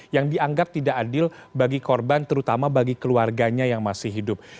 yang dianggap tidak adil bagi korban terutama bagi keluarganya yang masih hidup